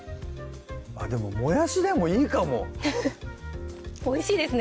でももやしでもいいかもおいしいですね